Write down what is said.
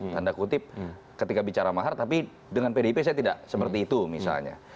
tanda kutip ketika bicara mahar tapi dengan pdip saya tidak seperti itu misalnya